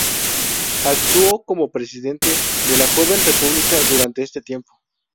Actuó como presidente de la joven república durante este tiempo.